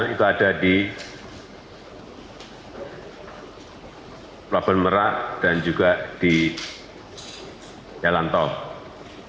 itu ada di pelabuhan merak dan juga di jalan tol